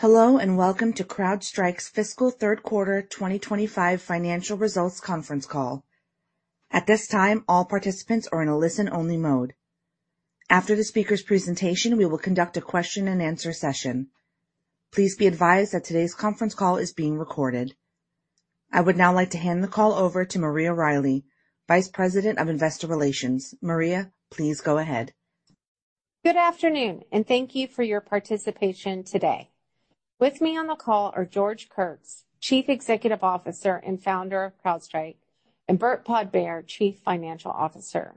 Hello and welcome to CrowdStrike's Fiscal Third Quarter 2025 financial results conference call. At this time, all participants are in a listen-only mode. After the speaker's presentation, we will conduct a question-and-answer session. Please be advised that today's conference call is being recorded. I would now like to hand the call over to Maria Riley, Vice President of Investor Relations. Maria, please go ahead. Good afternoon, and thank you for your participation today. With me on the call are George Kurtz, Chief Executive Officer and Founder of CrowdStrike, and Burt Podbere, Chief Financial Officer.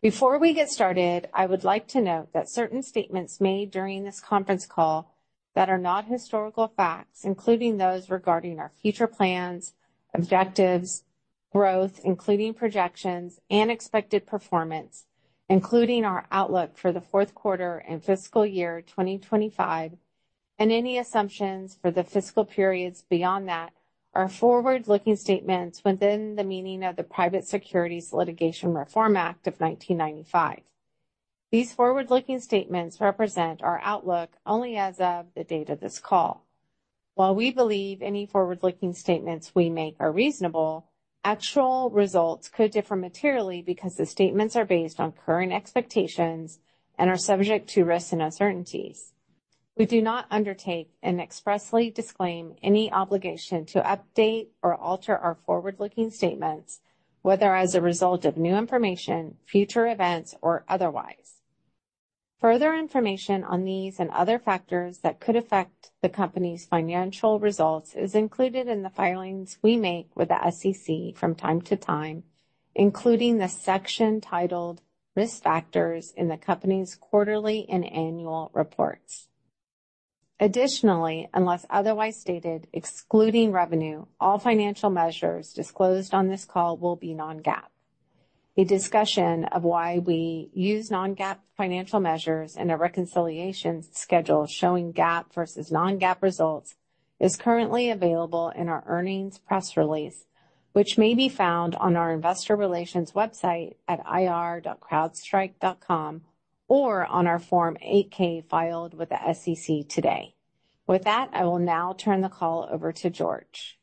Before we get started, I would like to note that certain statements made during this conference call that are not historical facts, including those regarding our future plans, objectives, growth, including projections, and expected performance, including our outlook for the fourth quarter and fiscal year 2025, and any assumptions for the fiscal periods beyond that, are forward-looking statements within the meaning of the Private Securities Litigation Reform Act of 1995. These forward-looking statements represent our outlook only as of the date of this call. While we believe any forward-looking statements we make are reasonable, actual results could differ materially because the statements are based on current expectations and are subject to risks and uncertainties. We do not undertake and expressly disclaim any obligation to update or alter our forward-looking statements, whether as a result of new information, future events, or otherwise. Further information on these and other factors that could affect the company's financial results is included in the filings we make with the SEC from time to time, including the section titled Risk Factors in the company's quarterly and annual reports. Additionally, unless otherwise stated, excluding revenue, all financial measures disclosed on this call will be non-GAAP. A discussion of why we use non-GAAP financial measures and a reconciliation schedule showing GAAP versus non-GAAP results is currently available in our earnings press release, which may be found on our investor relations website at ir.crowdstrike.com or on our Form 8-K filed with the SEC today. With that, I will now turn the call over to George.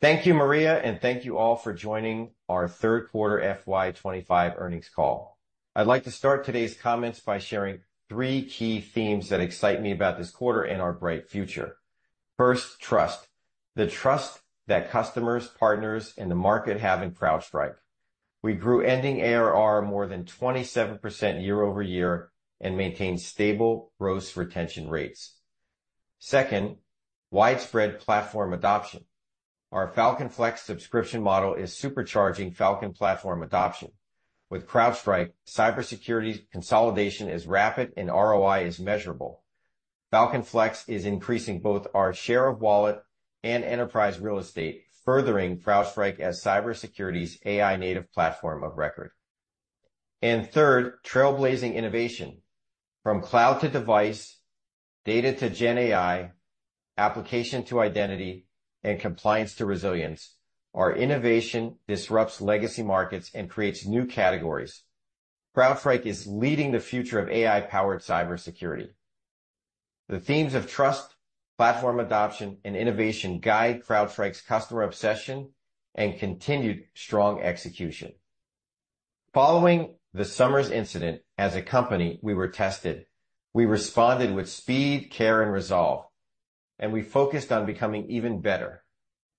Thank you, Maria, and thank you all for joining our Third Quarter FY25 earnings call. I'd like to start today's comments by sharing three key themes that excite me about this quarter and our bright future. First, trust. The trust that customers, partners, and the market have in CrowdStrike. We grew ending ARR more than 27% year over year and maintained stable gross retention rates. Second, widespread platform adoption. Our Falcon Flex subscription model is supercharging Falcon platform adoption. With CrowdStrike, cybersecurity consolidation is rapid and ROI is measurable. Falcon Flex is increasing both our share of wallet and enterprise real estate, furthering CrowdStrike as cybersecurity's AI-native platform of record. And third, trailblazing innovation. From cloud to device, data to GenAI, application to identity, and compliance to resilience, our innovation disrupts legacy markets and creates new categories. CrowdStrike is leading the future of AI-powered cybersecurity. The themes of trust, platform adoption, and innovation guide CrowdStrike's customer obsession and continued strong execution. Following the summer's incident, as a company, we were tested. We responded with speed, care, and resolve, and we focused on becoming even better,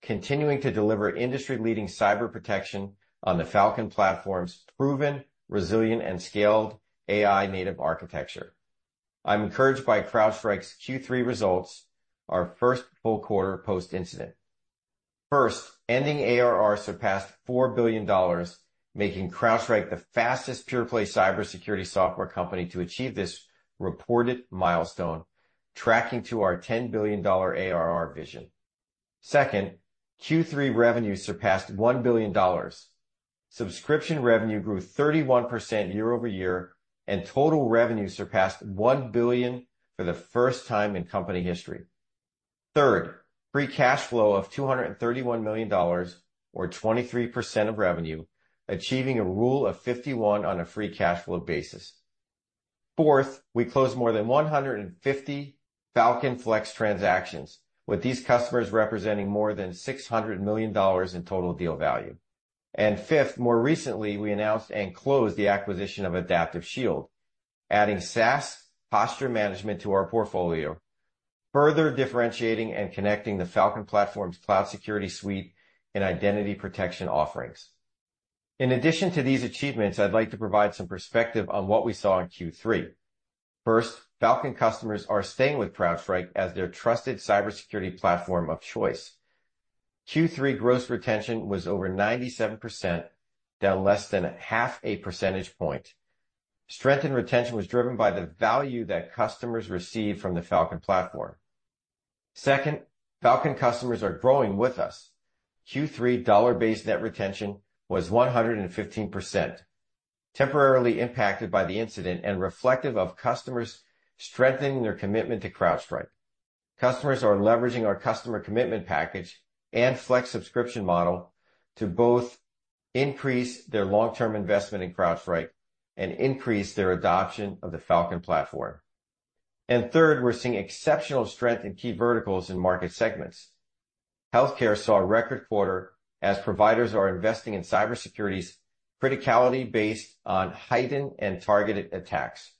continuing to deliver industry-leading cyber protection on the Falcon platform's proven, resilient, and scaled AI-native architecture. I'm encouraged by CrowdStrike's Q3 results, our first full quarter post-incident. First, ending ARR surpassed $4 billion, making CrowdStrike the fastest pure-play cybersecurity software company to achieve this reported milestone, tracking to our $10 billion ARR vision. Second, Q3 revenue surpassed $1 billion. Subscription revenue grew 31% year over year, and total revenue surpassed $1 billion for the first time in company history. Third, Free Cash Flow of $231 million, or 23% of revenue, achieving a Rule of 51 on a Free Cash Flow basis. Fourth, we closed more than 150 Falcon Flex transactions, with these customers representing more than $600 million in total deal value. And fifth, more recently, we announced and closed the acquisition of Adaptive Shield, adding SaaS posture management to our portfolio, further differentiating and connecting the Falcon platform's Cloud Security suite and Identity Protection offerings. In addition to these achievements, I'd like to provide some perspective on what we saw in Q3. First, Falcon customers are staying with CrowdStrike as their trusted cybersecurity platform of choice. Q3 gross retention was over 97%, down less than half a percentage point. Strength in retention was driven by the value that customers received from the Falcon platform. Second, Falcon customers are growing with us. Q3 dollar-based net retention was 115%, temporarily impacted by the incident and reflective of customers strengthening their commitment to CrowdStrike. Customers are leveraging our Customer Commitment Package and flex subscription model to both increase their long-term investment in CrowdStrike and increase their adoption of the Falcon platform, and third, we're seeing exceptional strength in key verticals and market segments. Healthcare saw a record quarter as providers are investing in cybersecurity's criticality based on heightened and targeted attacks.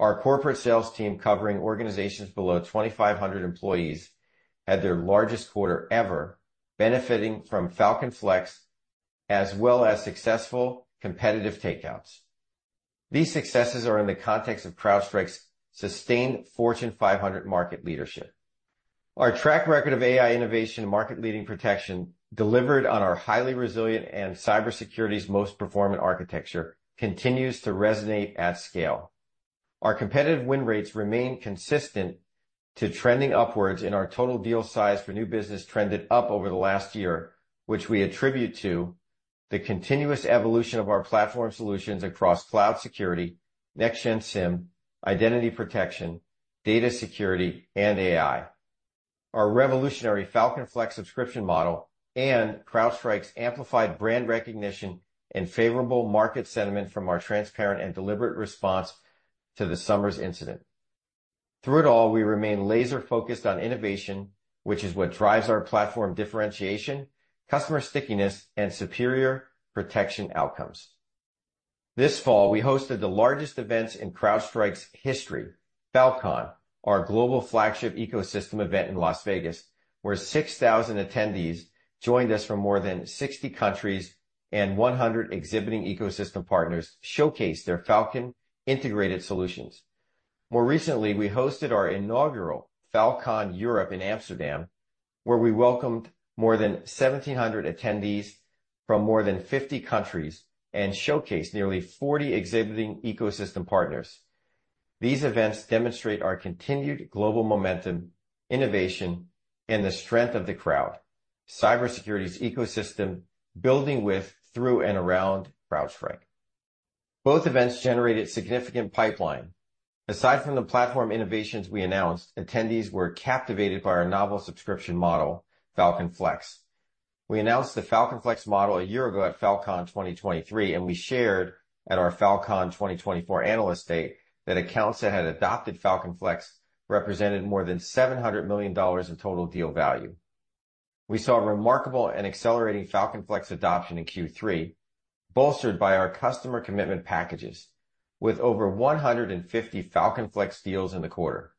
Our corporate sales team, covering organizations below 2,500 employees, had their largest quarter ever, benefiting from Falcon Flex as well as successful competitive takeouts. These successes are in the context of CrowdStrike's sustained Fortune 500 market leadership. Our track record of AI innovation and market-leading protection, delivered on our highly resilient and cybersecurity's most performant architecture, continues to resonate at scale. Our competitive win rates remain consistent to trending upwards, and our total deal size for new business trended up over the last year, which we attribute to the continuous evolution of our platform solutions across Cloud Security, Next-Gen SIEM, Identity Protection, data security, and AI. Our revolutionary Falcon Flex subscription model and CrowdStrike's amplified brand recognition and favorable market sentiment from our transparent and deliberate response to the summer's incident. Through it all, we remain laser-focused on innovation, which is what drives our platform differentiation, customer stickiness, and superior protection outcomes. This fall, we hosted the largest events in CrowdStrike's history, Falcon, our global flagship ecosystem event in Las Vegas, where 6,000 attendees joined us from more than 60 countries and 100 exhibiting ecosystem partners showcased their Falcon-integrated solutions. More recently, we hosted our inaugural Fal.Con Europe in Amsterdam, where we welcomed more than 1,700 attendees from more than 50 countries and showcased nearly 40 exhibiting ecosystem partners. These events demonstrate our continued global momentum, innovation, and the strength of the Crowd, cybersecurity's ecosystem building with, through, and around CrowdStrike. Both events generated significant pipeline. Aside from the platform innovations we announced, attendees were captivated by our novel subscription model, Falcon Flex. We announced the Falcon Flex model a year ago at Fal.Con 2023, and we shared at our Fal.Con 2024 analyst day that accounts that had adopted Falcon Flex represented more than $700 million in total deal value. We saw remarkable and accelerating Falcon Flex adoption in Q3, bolstered by our Customer Commitment Packages, with over 150 Falcon Flex deals in the quarter.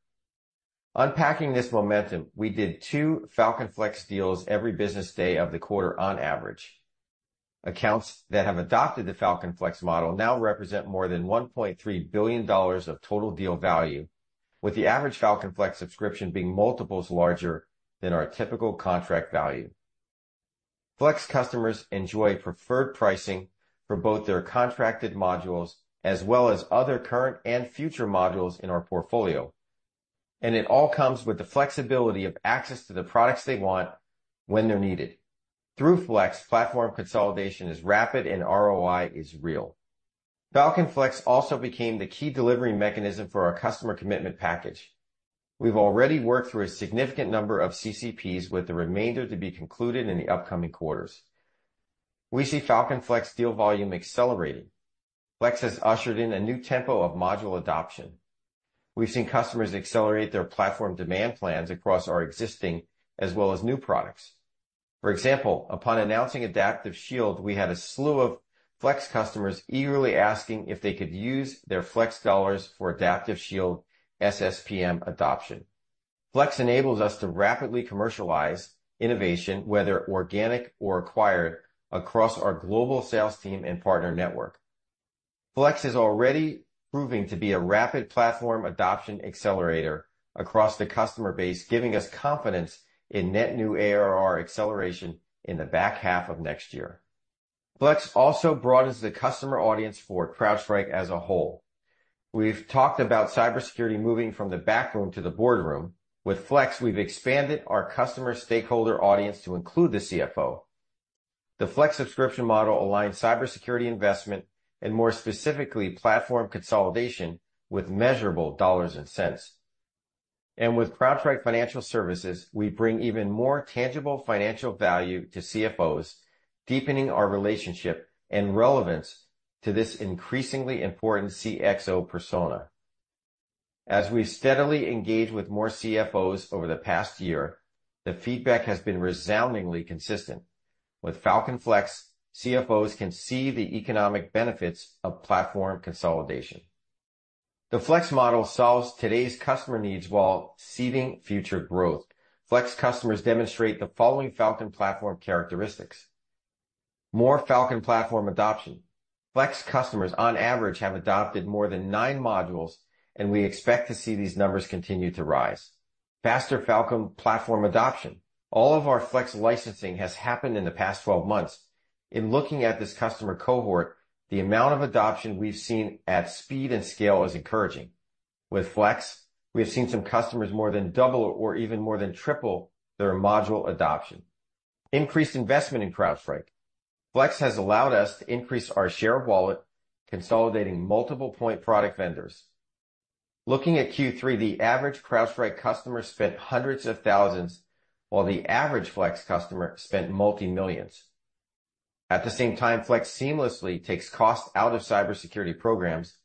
Unpacking this momentum, we did two Falcon Flex deals every business day of the quarter on average. Accounts that have adopted the Falcon Flex model now represent more than $1.3 billion of total deal value, with the average Falcon Flex subscription being multiples larger than our typical contract value. Flex customers enjoy preferred pricing for both their contracted modules as well as other current and future modules in our portfolio. And it all comes with the flexibility of access to the products they want when they're needed. Through Flex, platform consolidation is rapid and ROI is real. Falcon Flex also became the key delivery mechanism for our customer commitment package. We've already worked through a significant number of CCPs, with the remainder to be concluded in the upcoming quarters. We see Falcon Flex deal volume accelerating. Flex has ushered in a new tempo of module adoption. We've seen customers accelerate their platform demand plans across our existing as well as new products. For example, upon announcing Adaptive Shield, we had a slew of Flex customers eagerly asking if they could use their Flex dollars for Adaptive Shield SSPM adoption. Flex enables us to rapidly commercialize innovation, whether organic or acquired, across our global sales team and partner network. Flex is already proving to be a rapid platform adoption accelerator across the customer base, giving us confidence in net new ARR acceleration in the back half of next year. Flex also broadens the customer audience for CrowdStrike as a whole. We've talked about cybersecurity moving from the back room to the boardroom. With Flex, we've expanded our customer stakeholder audience to include the CFO. The Flex subscription model aligns cybersecurity investment and, more specifically, platform consolidation with measurable dollars and cents. With CrowdStrike Financial Services, we bring even more tangible financial value to CFOs, deepening our relationship and relevance to this increasingly important CXO persona. As we steadily engage with more CFOs over the past year, the feedback has been resoundingly consistent. With Falcon Flex, CFOs can see the economic benefits of platform consolidation. The Flex model solves today's customer needs while seeding future growth. Flex customers demonstrate the following Falcon platform characteristics: more Falcon platform adoption. Flex customers, on average, have adopted more than nine modules, and we expect to see these numbers continue to rise. Faster Falcon platform adoption. All of our Flex licensing has happened in the past 12 months. In looking at this customer cohort, the amount of adoption we've seen at speed and scale is encouraging. With Flex, we have seen some customers more than double or even more than triple their module adoption. Increased investment in CrowdStrike. Flex has allowed us to increase our share of wallet, consolidating multiple point product vendors. Looking at Q3, the average CrowdStrike customer spent hundreds of thousands, while the average Flex customer spent multi-millions. At the same time, Flex seamlessly takes costs out of cybersecurity programs,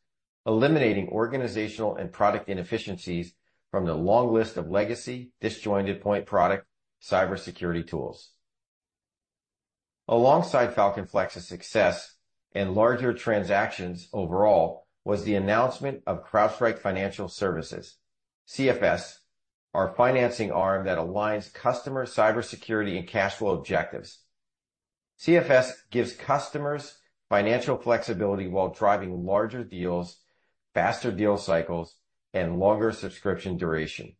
eliminating organizational and product inefficiencies from the long list of legacy disjointed point product cybersecurity tools. Alongside Falcon Flex's success and larger transactions overall was the announcement of CrowdStrike Financial Services, CFS, our financing arm that aligns customer cybersecurity and cash flow objectives. CFS gives customers financial flexibility while driving larger deals, faster deal cycles, and longer subscription duration.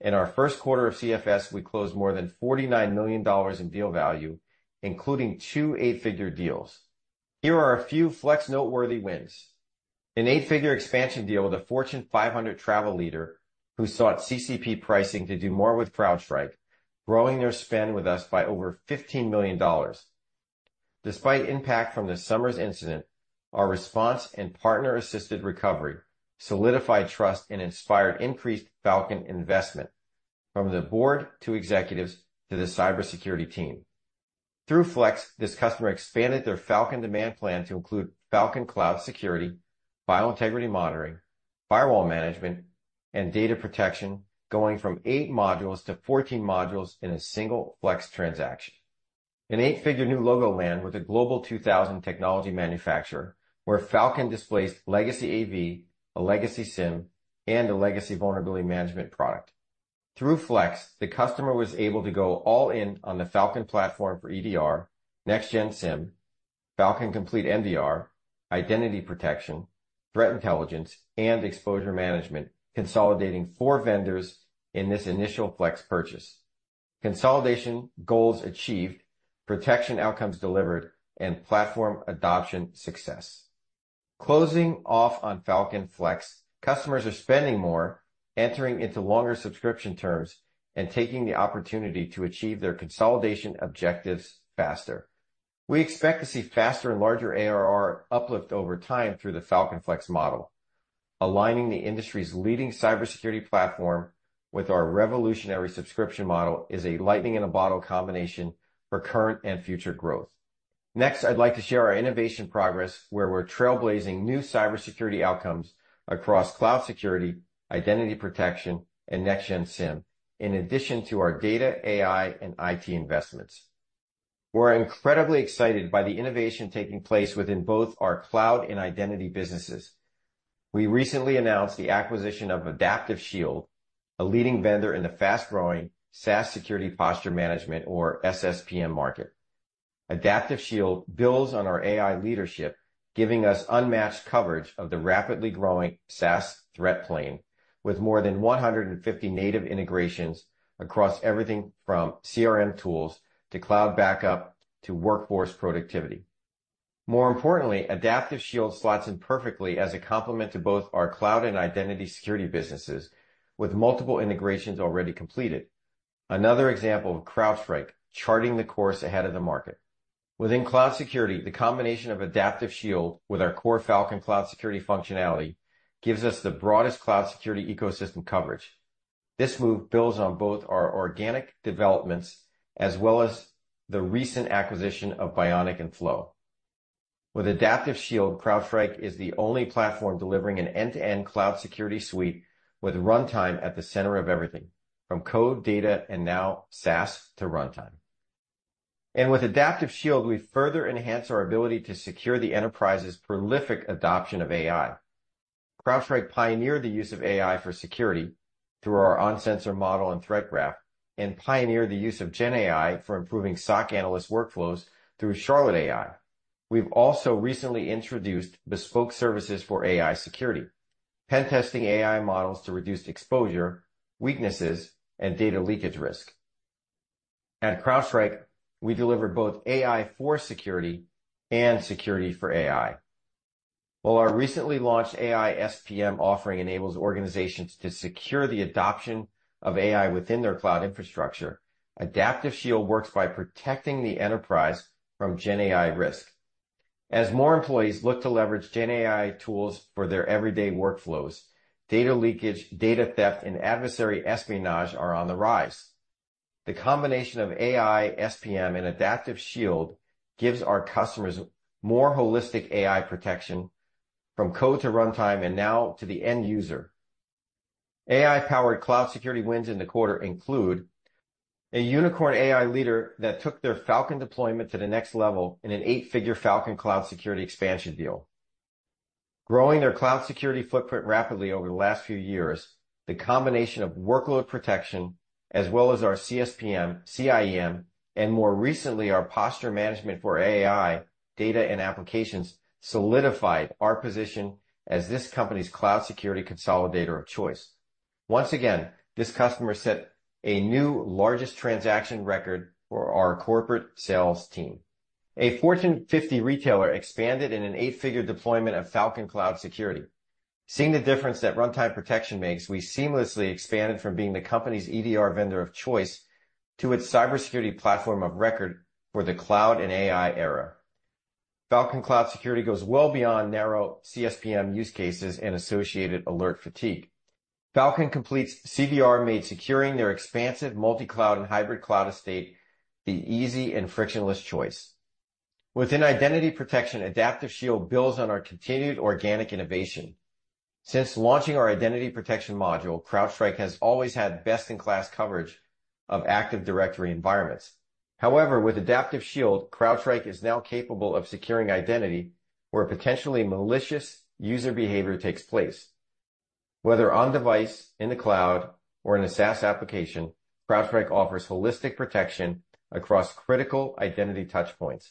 In our first quarter of CFS, we closed more than $49 million in deal value, including two eight-figure deals. Here are a few Flex noteworthy wins: an eight-figure expansion deal with a Fortune 500 travel leader who sought CCP pricing to do more with CrowdStrike, growing their spend with us by over $15 million. Despite impact from the summer's incident, our response and partner-assisted recovery solidified trust and inspired increased Falcon investment, from the board to executives to the cybersecurity team. Through Flex, this customer expanded their Falcon demand plan to include Falcon Cloud Security, File Integrity Monitoring, Firewall Management, and Data Protection, going from eight modules to 14 modules in a single Flex transaction. An eight-figure new logo land with a Global 2000 technology manufacturer, where Falcon displaced legacy AV, a legacy SIEM, and a legacy vulnerability management product. Through Falcon Flex, the customer was able to go all in on the Falcon platform for EDR, Next-Gen SIEM, Falcon Complete MDR, Identity Protection, Threat Intelligence, and Exposure Management, consolidating four vendors in this initial Falcon Flex purchase. Consolidation goals achieved, protection outcomes delivered, and platform adoption success. Closing off on Falcon Flex, customers are spending more, entering into longer subscription terms, and taking the opportunity to achieve their consolidation objectives faster. We expect to see faster and larger ARR uplift over time through the Falcon Flex model. Aligning the industry's leading cybersecurity platform with our revolutionary subscription model is a lightning in a bottle combination for current and future growth. Next, I'd like to share our innovation progress, where we're trailblazing new cybersecurity outcomes across Cloud Security, Identity Protection, and Next-Gen SIEM, in addition to our data, AI, and IT investments. We're incredibly excited by the innovation taking place within both our cloud and identity businesses. We recently announced the acquisition of Adaptive Shield, a leading vendor in the fast-growing SaaS Security Posture Management, or SSPM, market. Adaptive Shield builds on our AI leadership, giving us unmatched coverage of the rapidly growing SaaS threat landscape, with more than 150 native integrations across everything from CRM tools to cloud backup to workforce productivity. More importantly, Adaptive Shield slots in perfectly as a complement to both our cloud and identity security businesses, with multiple integrations already completed. Another example of CrowdStrike charting the course ahead of the market. Within Cloud Security, the combination of Adaptive Shield with our core Falcon Cloud Security functionality gives us the broadest Cloud Security ecosystem coverage. This move builds on both our organic developments as well as the recent acquisition of Bionic and Flow. With Adaptive Shield, CrowdStrike is the only platform delivering an end-to-end Cloud Security suite with runtime at the center of everything, from code, data, and now SaaS to runtime. And with Adaptive Shield, we further enhance our ability to secure the enterprise's prolific adoption of AI. CrowdStrike pioneered the use of AI for security through our on-sensor model and Threat Graph, and pioneered the use of GenAI for improving SOC analyst workflows through Charlotte AI. We've also recently introduced bespoke services for AI security, pen-testing AI models to reduce exposure, weaknesses, and data leakage risk. At CrowdStrike, we deliver both AI for security and security for AI. While our recently launched AI-SPM offering enables organizations to secure the adoption of AI within their cloud infrastructure, Adaptive Shield works by protecting the enterprise from GenAI risk. As more employees look to leverage GenAI tools for their everyday workflows, data leakage, data theft, and adversary espionage are on the rise. The combination of AI-SPM and Adaptive Shield gives our customers more holistic AI protection from code to runtime and now to the end user. AI-powered Cloud Security wins in the quarter include a unicorn AI leader that took their Falcon deployment to the next level in an eight-figure Falcon Cloud Security expansion deal. Growing their Cloud Security footprint rapidly over the last few years, the combination of workload protection as well as our CSPM, CIEM, and more recently our posture management for AI data and applications solidified our position as this company's Cloud Security consolidator of choice. Once again, this customer set a new largest transaction record for our corporate sales team. A Fortune 50 retailer expanded in an eight-figure deployment of Falcon Cloud Security. Seeing the difference that runtime protection makes, we seamlessly expanded from being the company's EDR vendor of choice to its cybersecurity platform of record for the cloud and AI era. Falcon Cloud Security goes well beyond narrow CSPM use cases and associated alert fatigue. Falcon Complete MDR made securing their expansive multi-cloud and hybrid cloud estate the easy and frictionless choice. Within Identity Protection, Adaptive Shield builds on our continued organic innovation. Since launching our Identity Protection module, CrowdStrike has always had best-in-class coverage of Active Directory environments. However, with Adaptive Shield, CrowdStrike is now capable of securing identity where potentially malicious user behavior takes place. Whether on-device, in the cloud, or in a SaaS application, CrowdStrike offers holistic protection across critical identity touchpoints,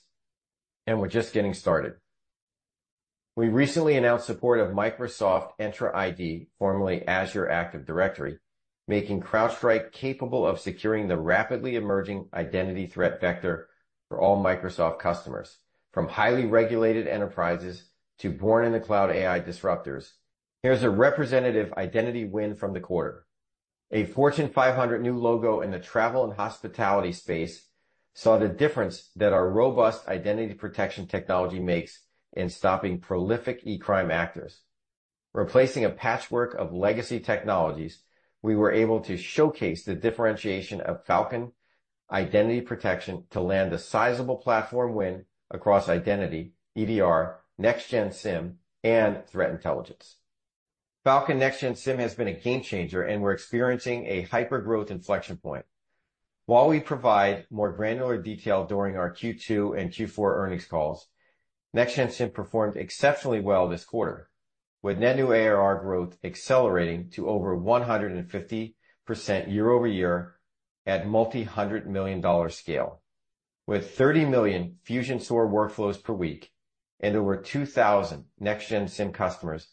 and we're just getting started. We recently announced support of Microsoft Entra ID, formerly Azure Active Directory, making CrowdStrike capable of securing the rapidly emerging identity threat vector for all Microsoft customers, from highly regulated enterprises to born-in-the-cloud AI disruptors. Here's a representative identity win from the quarter. A Fortune 500 new logo in the travel and hospitality space saw the difference that our robust Identity Protection technology makes in stopping prolific e-crime actors. Replacing a patchwork of legacy technologies, we were able to showcase the differentiation of Falcon Identity Protection to land a sizable platform win across identity, EDR, Next-Gen SIEM, and Threat Intelligence. Falcon Next-Gen SIEM has been a game changer, and we're experiencing a hyper-growth inflection point. While we provide more granular detail during our Q2 and Q4 earnings calls, Next-Gen SIEM performed exceptionally well this quarter, with net new ARR growth accelerating to over 150% year-over-year at multi-hundred million dollar scale. With 30 million SOAR workflows per week and over 2,000 Next-Gen SIEM customers,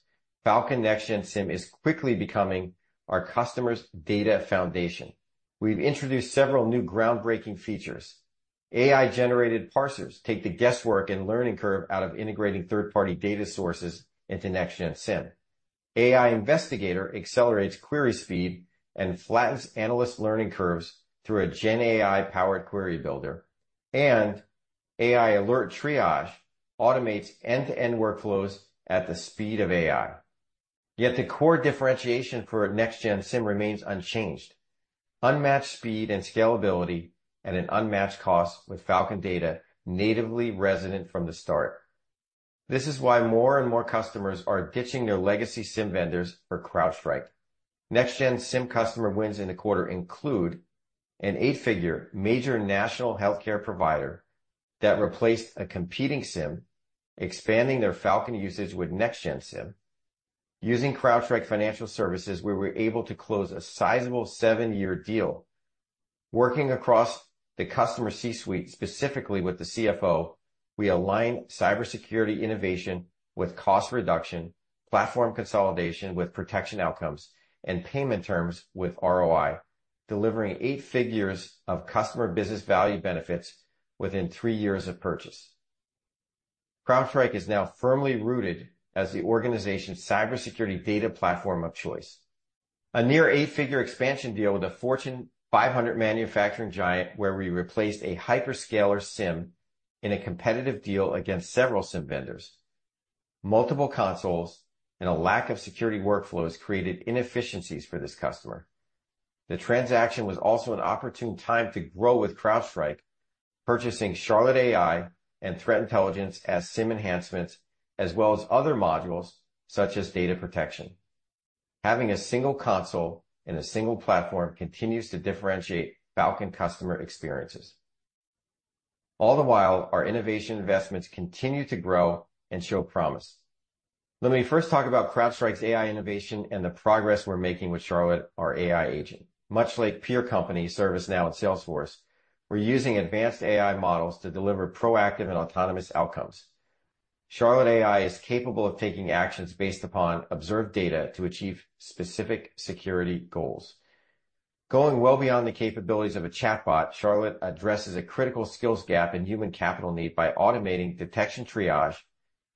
Falcon Next-Gen SIEM is quickly becoming our customer's data foundation. We've introduced several new groundbreaking features. AI-generated parsers take the guesswork and learning curve out of integrating third-party data sources into Next-Gen SIEM. AI Investigator accelerates query speed and flattens analyst learning curves through a GenAI-powered query builder, and AI alert triage automates end-to-end workflows at the speed of AI. Yet the core differentiation for Next-Gen SIEM remains unchanged: unmatched speed and scalability at an unmatched cost with Falcon data natively resident from the start. This is why more and more customers are ditching their legacy SIEM vendors for CrowdStrike. Next-Gen SIEM customer wins in the quarter include an eight-figure major national healthcare provider that replaced a competing SIEM, expanding their Falcon usage with Next-Gen SIEM. Using CrowdStrike Financial Services, we were able to close a sizable seven-year deal. Working across the customer C-suite, specifically with the CFO, we align cybersecurity innovation with cost reduction, platform consolidation with protection outcomes, and payment terms with ROI, delivering eight figures of customer business value benefits within three years of purchase. CrowdStrike is now firmly rooted as the organization's cybersecurity data platform of choice. A near eight-figure expansion deal with a Fortune 500 manufacturing giant where we replaced a hyperscaler SIEM in a competitive deal against several SIEM vendors. Multiple consoles and a lack of security workflows created inefficiencies for this customer. The transaction was also an opportune time to grow with CrowdStrike, purchasing Charlotte AI and Threat Intelligence as SIEM enhancements, as well as other modules such as data protection. Having a single console and a single platform continues to differentiate Falcon customer experiences. All the while, our innovation investments continue to grow and show promise. Let me first talk about CrowdStrike's AI innovation and the progress we're making with Charlotte, our AI agent. Much like peer companies ServiceNow and Salesforce, we're using advanced AI models to deliver proactive and autonomous outcomes. Charlotte AI is capable of taking actions based upon observed data to achieve specific security goals. Going well beyond the capabilities of a chatbot, Charlotte addresses a critical skills gap in human capital need by automating detection triage,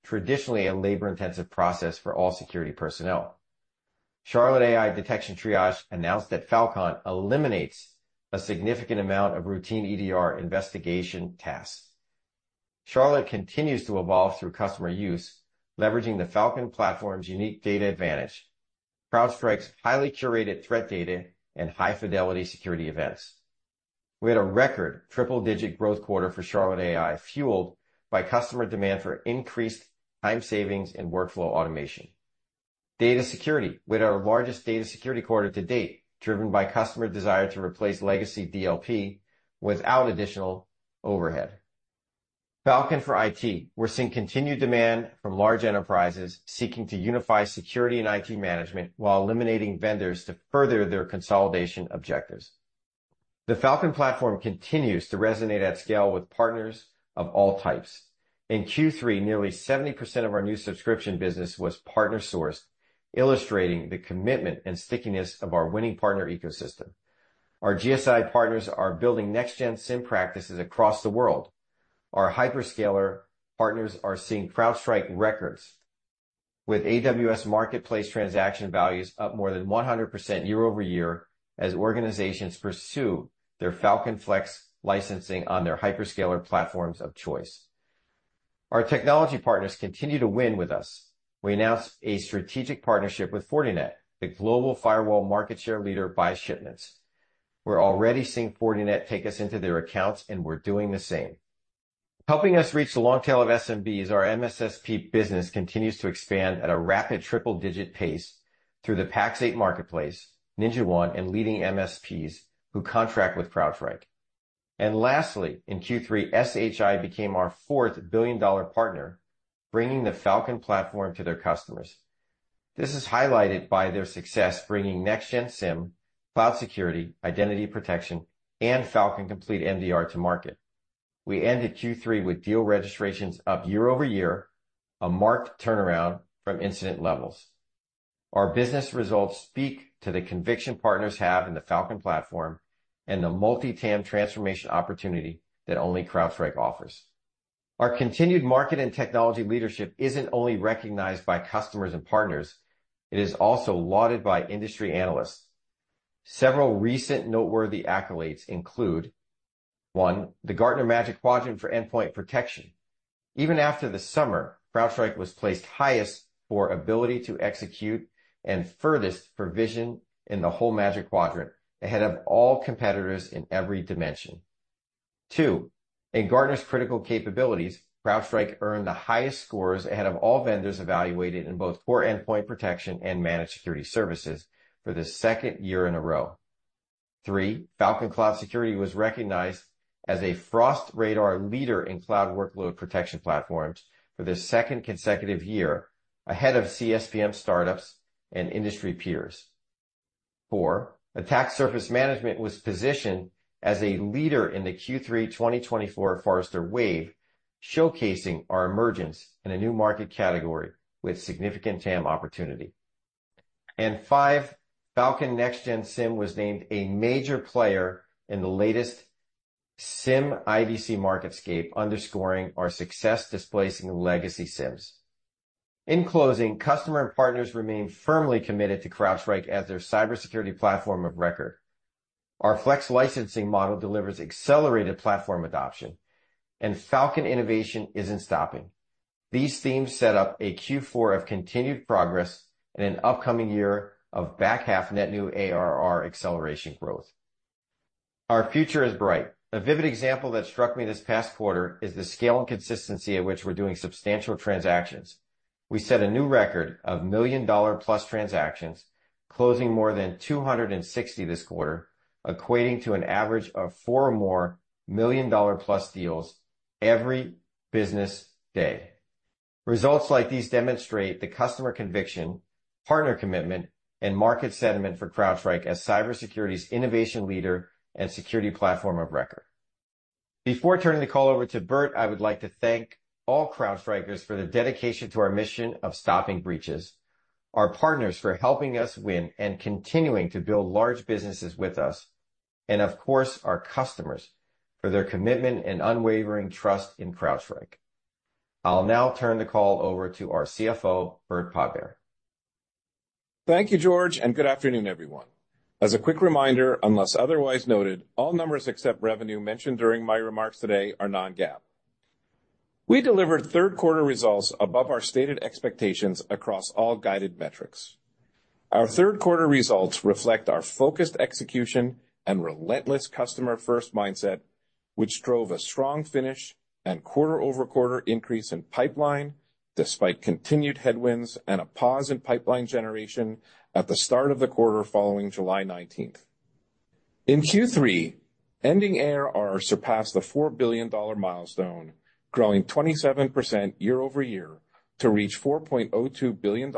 traditionally a labor-intensive process for all security personnel. Charlotte AI detection triage announced that Falcon eliminates a significant amount of routine EDR investigation tasks. Charlotte continues to evolve through customer use, leveraging the Falcon platform's unique data advantage, CrowdStrike's highly curated threat data, and high-fidelity security events. We had a record triple-digit growth quarter for Charlotte AI, fueled by customer demand for increased time savings and workflow automation. Data security, with our largest data security quarter to date, driven by customer desire to replace legacy DLP without additional overhead. Falcon for IT, we're seeing continued demand from large enterprises seeking to unify security and IT management while eliminating vendors to further their consolidation objectives. The Falcon platform continues to resonate at scale with partners of all types. In Q3, nearly 70% of our new subscription business was partner-sourced, illustrating the commitment and stickiness of our winning partner ecosystem. Our GSI partners are building Next-Gen SIEM practices across the world. Our hyperscaler partners are seeing CrowdStrike records, with AWS Marketplace transaction values up more than 100% year-over-year as organizations pursue their Falcon Flex licensing on their hyperscaler platforms of choice. Our technology partners continue to win with us. We announced a strategic partnership with Fortinet, the global firewall market share leader by shipments. We're already seeing Fortinet take us into their accounts, and we're doing the same. Helping us reach the long tail of SMBs, our MSSP business continues to expand at a rapid triple-digit pace through the Pax8 Marketplace, NinjaOne, and leading MSPs who contract with CrowdStrike. And lastly, in Q3, SHI became our fourth billion-dollar partner, bringing the Falcon platform to their customers. This is highlighted by their success bringing Next-Gen SIEM, Cloud Security, Identity Protection, and Falcon Complete MDR to market. We ended Q3 with deal registrations up year-over-year, a marked turnaround from incident levels. Our business results speak to the conviction partners have in the Falcon platform and the multi-TAM transformation opportunity that only CrowdStrike offers. Our continued market and technology leadership isn't only recognized by customers and partners. It is also lauded by industry analysts. Several recent noteworthy accolades include: one, the Gartner Magic Quadrant for Endpoint Protection. Even after the summer, CrowdStrike was placed highest for ability to execute and furthest for vision in the whole magic quadrant ahead of all competitors in every dimension. Two, in Gartner's Critical Capabilities, CrowdStrike earned the highest scores ahead of all vendors evaluated in both core Endpoint Protection and managed security services for the second year in a row. Three, Falcon Cloud Security was recognized as a Frost Radar leader in Cloud Workload Protection Platforms for the second consecutive year ahead of CSPM startups and industry peers. Four, Attack Surface Management was positioned as a leader in the Q3 2024 Forrester Wave, showcasing our emergence in a new market category with significant TAM opportunity. Five, Falcon Next-Gen SIEM was named a major player in the latest SIEM IDC MarketScape, underscoring our success displacing legacy SIEMs. In closing, customers and partners remain firmly committed to CrowdStrike as their cybersecurity platform of record. Our Falcon Flex licensing model delivers accelerated platform adoption, and Falcon innovation isn't stopping. These themes set up a Q4 of continued progress and an upcoming year of back half net new ARR acceleration growth. Our future is bright. A vivid example that struck me this past quarter is the scale and consistency at which we're doing substantial transactions. We set a new record of million-dollar-plus transactions, closing more than 260 this quarter, equating to an average of four or more million-dollar-plus deals every business day. Results like these demonstrate the customer conviction, partner commitment, and market sentiment for CrowdStrike as cybersecurity's innovation leader and security platform of record. Before turning the call over to Burt, I would like to thank all CrowdStrikers for their dedication to our mission of stopping breaches, our partners for helping us win, and continuing to build large businesses with us, and of course, our customers for their commitment and unwavering trust in CrowdStrike. I'll now turn the call over to our CFO, Burt Podbere. Thank you, George, and good afternoon, everyone. As a quick reminder, unless otherwise noted, all numbers except revenue mentioned during my remarks today are non-GAAP. We delivered third-quarter results above our stated expectations across all guided metrics. Our third-quarter results reflect our focused execution and relentless customer-first mindset, which drove a strong finish and quarter-over-quarter increase in pipeline despite continued headwinds and a pause in pipeline generation at the start of the quarter following July 19th. In Q3, ending ARR surpassed the $4 billion milestone, growing 27% year-over-year to reach $4.02 billion,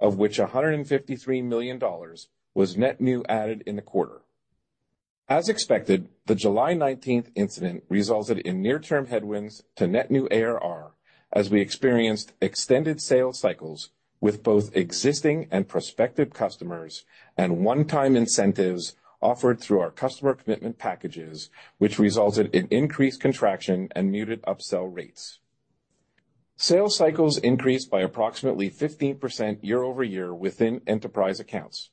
of which $153 million was net new added in the quarter. As expected, the July 19th incident resulted in near-term headwinds to net new ARR as we experienced extended sales cycles with both existing and prospective customers and one-time incentives offered through our Customer Commitment Packages, which resulted in increased contraction and muted upsell rates. Sales cycles increased by approximately 15% year-over-year within enterprise accounts.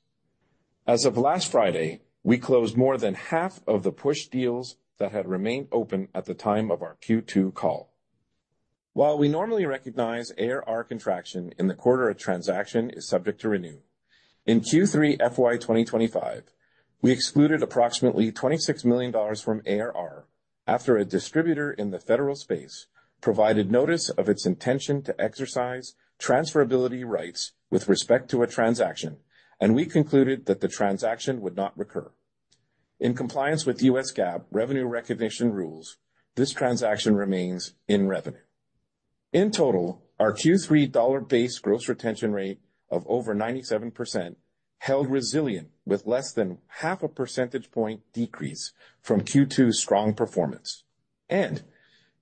As of last Friday, we closed more than half of the push deals that had remained open at the time of our Q2 call. While we normally recognize ARR contraction in the quarter the transaction is subject to renew, in Q3 FY 2025, we excluded approximately $26 million from ARR after a distributor in the federal space provided notice of its intention to exercise transferability rights with respect to a transaction, and we concluded that the transaction would not recur. In compliance with U.S. GAAP revenue recognition rules, this transaction remains in revenue. In total, our Q3 dollar-based gross retention rate of over 97% held resilient with less than half a percentage point decrease from Q2's strong performance, and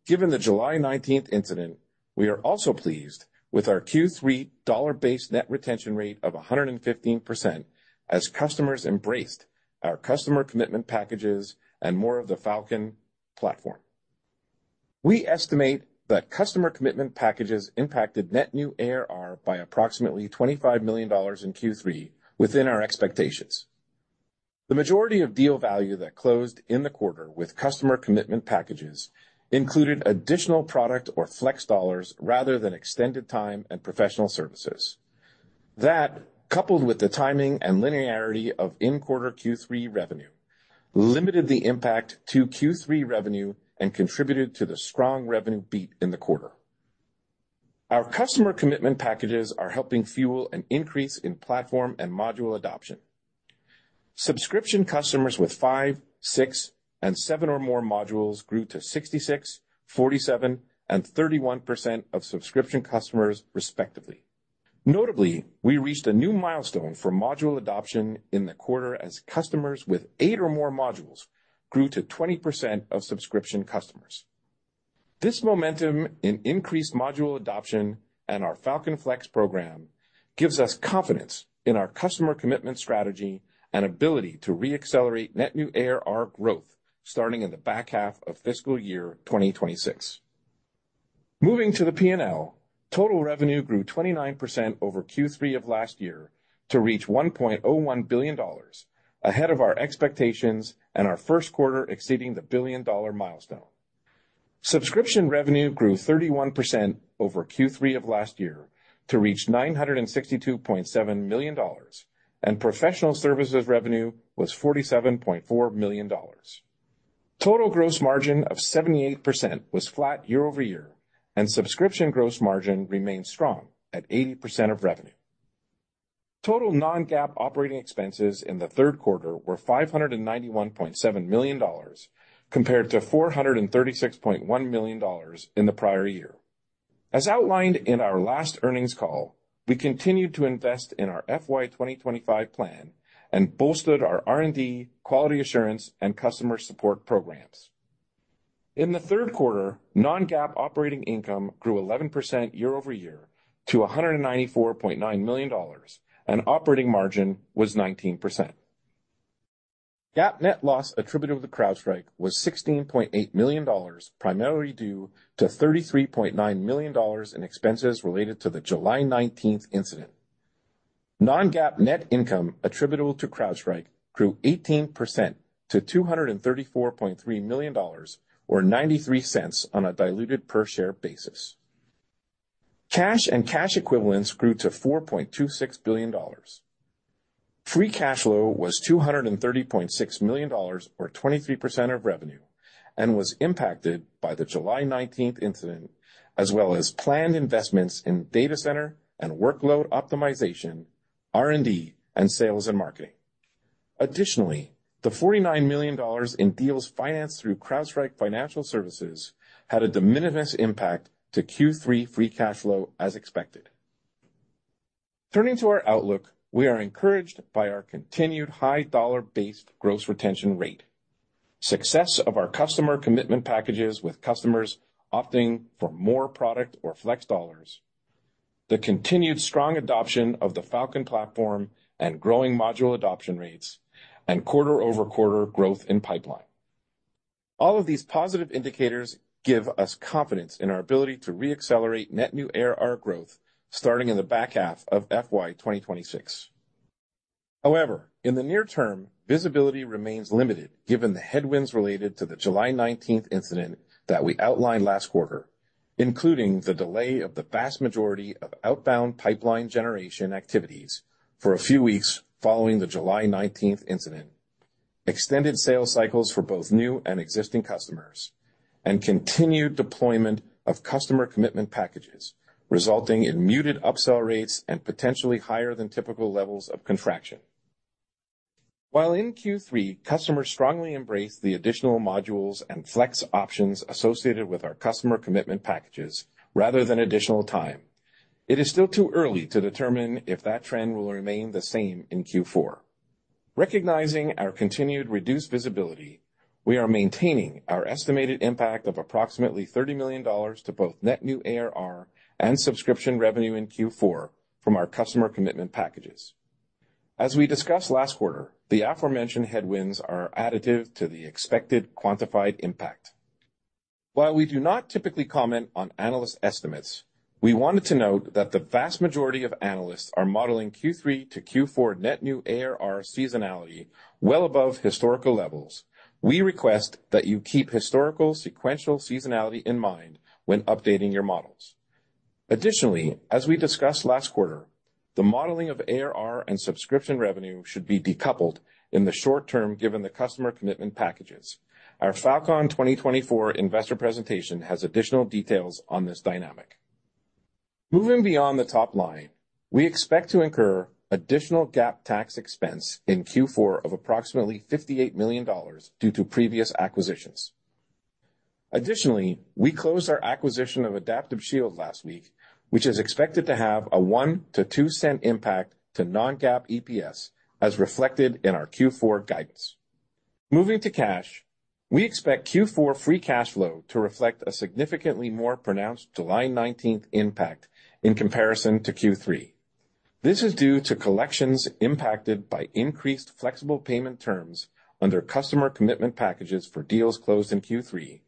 given the July 19th incident, we are also pleased with our Q3 dollar-based net retention rate of 115% as customers embraced our Customer Commitment Packages and more of the Falcon platform. We estimate that Customer Commitment Packages impacted net new ARR by approximately $25 million in Q3 within our expectations. The majority of deal value that closed in the quarter with Customer Commitment Packages included additional product or flex dollars rather than extended time and professional services. That, coupled with the timing and linearity of in-quarter Q3 revenue, limited the impact to Q3 revenue and contributed to the strong revenue beat in the quarter. Our Customer Commitment Packages are helping fuel an increase in platform and module adoption. Subscription customers with five, six, and seven or more modules grew to 66%, 47%, and 31% of subscription customers, respectively. Notably, we reached a new milestone for module adoption in the quarter as customers with eight or more modules grew to 20% of subscription customers. This momentum in increased module adoption and our Falcon Flex program gives us confidence in our customer commitment strategy and ability to re-accelerate net new ARR growth starting in the back half of fiscal year 2026. Moving to the P&L, total revenue grew 29% over Q3 of last year to reach $1.01 billion, ahead of our expectations and our first quarter exceeding the billion-dollar milestone. Subscription revenue grew 31% over Q3 of last year to reach $962.7 million, and professional services revenue was $47.4 million. Total gross margin of 78% was flat year-over-year, and subscription gross margin remained strong at 80% of revenue. Total non-GAAP operating expenses in the third quarter were $591.7 million compared to $436.1 million in the prior year. As outlined in our last earnings call, we continued to invest in our FY 2025 plan and bolstered our R&D, quality assurance, and customer support programs. In the third quarter, non-GAAP operating income grew 11% year-over-year to $194.9 million, and operating margin was 19%. GAAP net loss attributable to CrowdStrike was $16.8 million, primarily due to $33.9 million in expenses related to the July 19th incident. Non-GAAP net income attributable to CrowdStrike grew 18% to $234.3 million, or $0.93 on a diluted per-share basis. Cash and cash equivalents grew to $4.26 billion. Free Cash Flow was $230.6 million, or 23% of revenue, and was impacted by the July 19th incident, as well as planned investments in data center and workload optimization, R&D, and sales and marketing. Additionally, the $49 million in deals financed through CrowdStrike Financial Services had a diminished impact to Q3 Free Cash Flow as expected. Turning to our outlook, we are encouraged by our continued high dollar-based gross retention rate, success of our Customer Commitment Packages with customers opting for more product or flex dollars, the continued strong adoption of the Falcon platform and growing module adoption rates, and quarter-over-quarter growth in pipeline. All of these positive indicators give us confidence in our ability to re-accelerate net new ARR growth starting in the back half of FY 2026. However, in the near term, visibility remains limited given the headwinds related to the July 19th incident that we outlined last quarter, including the delay of the vast majority of outbound pipeline generation activities for a few weeks following the July 19th incident, extended sales cycles for both new and existing customers, and continued deployment of Customer Commitment Packages, resulting in muted upsell rates and potentially higher than typical levels of contraction. While in Q3, customers strongly embraced the additional modules and Flex options associated with our Customer Commitment Packages rather than additional time, it is still too early to determine if that trend will remain the same in Q4. Recognizing our continued reduced visibility, we are maintaining our estimated impact of approximately $30 million to both net new ARR and subscription revenue in Q4 from our Customer Commitment Packages. As we discussed last quarter, the aforementioned headwinds are additive to the expected quantified impact. While we do not typically comment on analyst estimates, we wanted to note that the vast majority of analysts are modeling Q3 to Q4 net new ARR seasonality well above historical levels. We request that you keep historical sequential seasonality in mind when updating your models. Additionally, as we discussed last quarter, the modeling of ARR and subscription revenue should be decoupled in the short term given the Customer Commitment Packages. Our Fal.Con 2024 investor presentation has additional details on this dynamic. Moving beyond the top line, we expect to incur additional GAAP tax expense in Q4 of approximately $58 million due to previous acquisitions. Additionally, we closed our acquisition of Adaptive Shield last week, which is expected to have a $0.01-$0.02 impact to non-GAAP EPS as reflected in our Q4 guidance. Moving to cash, we expect Q4 Free Cash Flow to reflect a significantly more pronounced July 19th impact in comparison to Q3. This is due to collections impacted by increased flexible payment terms under Customer Commitment Packages for deals closed in Q3,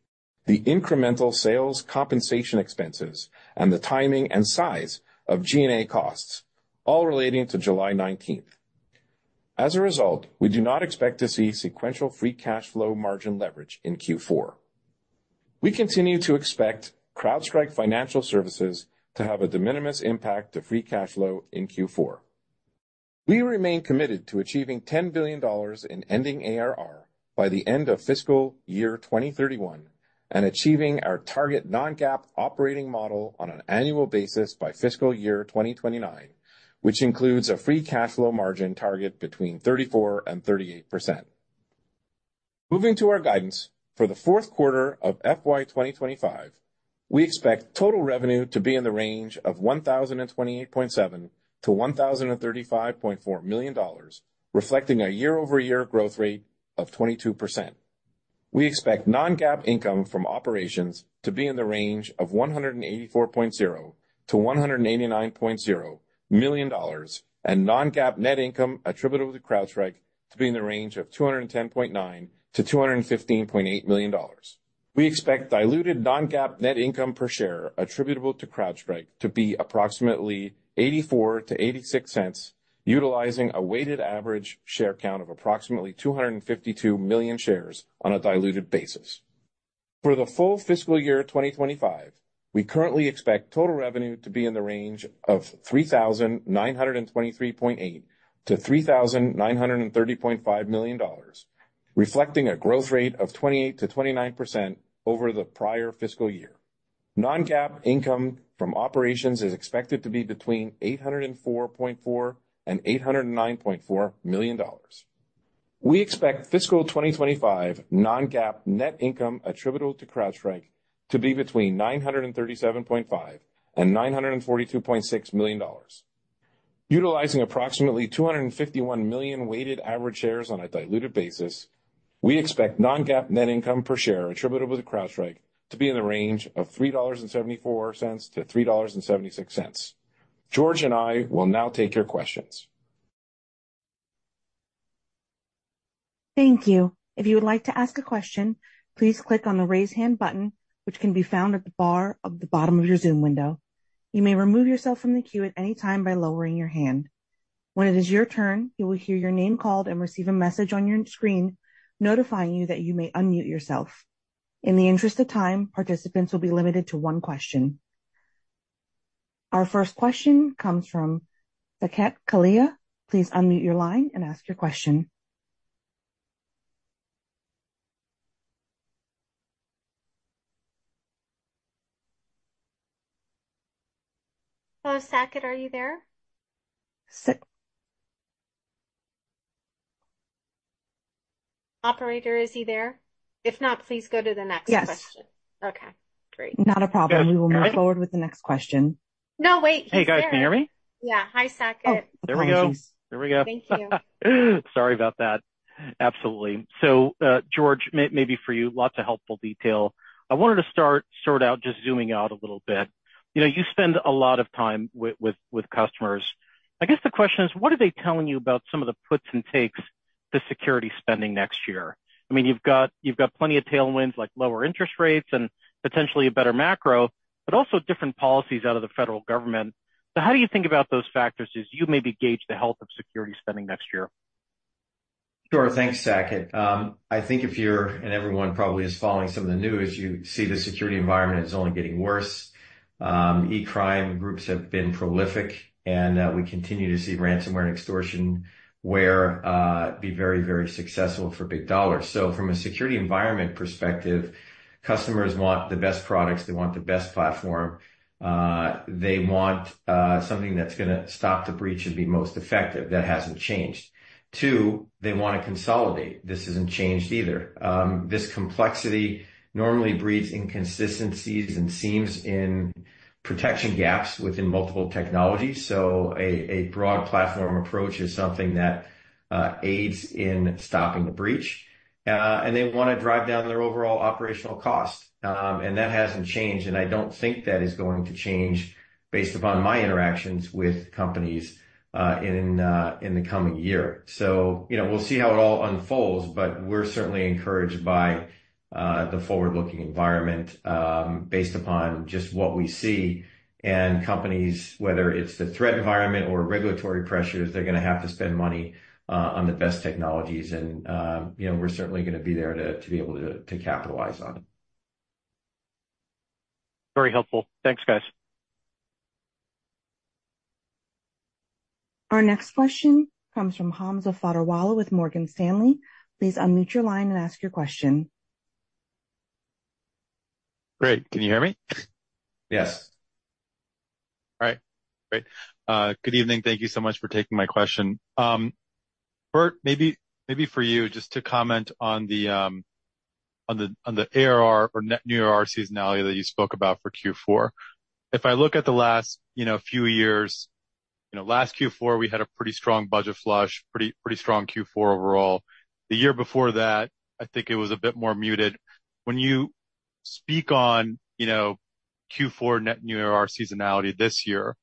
the incremental sales compensation expenses, and the timing and size of G&A costs, all relating to July 19th. As a result, we do not expect to see sequential Free Cash Flow margin leverage in Q4. We continue to expect CrowdStrike Financial Services to have a diminished impact to Free Cash Flow in Q4. We remain committed to achieving $10 billion in ending ARR by the end of fiscal year 2031 and achieving our target non-GAAP operating model on an annual basis by fiscal year 2029, which includes a Free Cash Flow margin target between 34% and 38%. Moving to our guidance for the fourth quarter of FY 2025, we expect total revenue to be in the range of $1,028.7-$1,035.4 million, reflecting a year-over-year growth rate of 22%. We expect non-GAAP income from operations to be in the range of $184.0-$189.0 million and non-GAAP net income attributable to CrowdStrike to be in the range of $210.9-$215.8 million. We expect diluted non-GAAP net income per share attributable to CrowdStrike to be approximately $0.84-$0.86, utilizing a weighted average share count of approximately 252 million shares on a diluted basis. For the full fiscal year 2025, we currently expect total revenue to be in the range of $3,923.8-$3,930.5 million, reflecting a growth rate of 28%-29% over the prior fiscal year. Non-GAAP income from operations is expected to be between $804.4 and $809.4 million. We expect fiscal 2025 non-GAAP net income attributable to CrowdStrike to be between $937.5 and $942.6 million. Utilizing approximately 251 million weighted average shares on a diluted basis, we expect non-GAAP net income per share attributable to CrowdStrike to be in the range of $3.74-$3.76. George and I will now take your questions. Thank you. If you would like to ask a question, please click on the raise hand button, which can be found at the bar at the bottom of your Zoom window. You may remove yourself from the queue at any time by lowering your hand. When it is your turn, you will hear your name called and receive a message on your screen notifying you that you may unmute yourself. In the interest of time, participants will be limited to one question. Our first question comes from Saket Kalia. Please unmute your line and ask your question. Hello, Saket? Are you there? Operator, is he there? If not, please go to the next question. Yes. Okay. Great. Not a problem. We will move forward with the next question. No, wait. Hey, guys. Can you hear me? Yeah. Hi, Saket. There we go. There we go. Thank you. Sorry about that. Absolutely. So, George, maybe for you lots of helpful detail. I wanted to start out just zooming out a little bit. You spend a lot of time with customers. I guess the question is, what are they telling you about some of the puts and takes to security spending next year? I mean, you've got plenty of tailwinds like lower interest rates and potentially a better macro, but also different policies out of the federal government. So how do you think about those factors as you maybe gauge the health of security spending next year? Sure. Thanks, Saket. I think if you're and everyone probably is following some of the news, you see the security environment is only getting worse. E-crime groups have been prolific, and we continue to see ransomware and extortion where it'd be very, very successful for big dollars. So from a security environment perspective, customers want the best products. They want the best platform. They want something that's going to stop the breach and be most effective. That hasn't changed. Two, they want to consolidate. This hasn't changed either. This complexity normally breeds inconsistencies and seams in protection gaps within multiple technologies. So a broad platform approach is something that aids in stopping the breach. And they want to drive down their overall operational cost. And that hasn't changed. And I don't think that is going to change based upon my interactions with companies in the coming year. So we'll see how it all unfolds, but we're certainly encouraged by the forward-looking environment based upon just what we see. And companies, whether it's the threat environment or regulatory pressures, they're going to have to spend money on the best technologies. And we're certainly going to be there to be able to capitalize on it. Very helpful. Thanks, guys. Our next question comes from Hamza Fodderwala with Morgan Stanley. Please unmute your line and ask your question. Great. Can you hear me? Yes. All right. Great. Good evening. Thank you so much for taking my question. Burt, Maybe for you, just to comment on the ARR or net new ARR seasonality that you spoke about for Q4. If I look at the last few years, last Q4, we had a pretty strong budget flush, pretty strong Q4 overall. The year before that, I think it was a bit more muted. When you speak on Q4 net new ARR seasonality this year,